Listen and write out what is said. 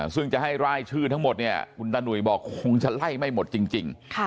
ซึ่งจะให้รายชื่อทั้งหมดเนี่ยคุณตาหนุ่ยบอกคงจะไล่ไม่หมดจริง